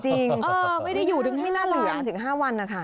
จริงไม่ได้อยู่ถึง๕วัน